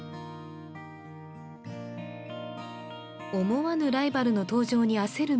思わぬライバルの登場に焦る